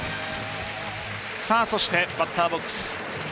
そしてバッターボックス。